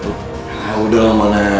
udah lama lah